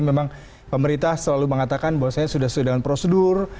memang pemerintah selalu mengatakan bahwa saya sudah sesuai dengan prosedur